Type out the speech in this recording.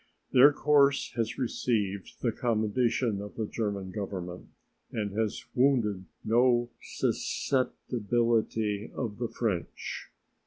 Their course has received the commendation of the German Government, and has wounded no susceptibility of the French.